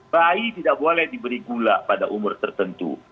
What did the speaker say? bayi tidak boleh diberi gula pada umur tertentu